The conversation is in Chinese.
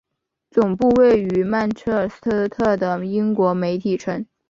总部位于曼彻斯特的英国媒体城。